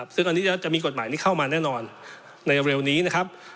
ซึ่งอันนี้จะมีกฎหมายนี้เข้ามาแน่นอนในเร็วนี้นะครับ